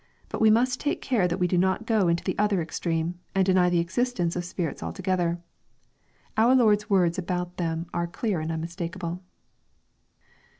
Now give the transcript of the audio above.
But we must take care that we do not go into the other extreme, and deny the existence of spirits altogether. Our Lord's words about them are clear and unmistakeable.